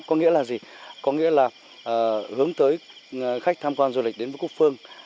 có nghĩa là gì có nghĩa là hướng tới khách tham quan du lịch đến với cúc phương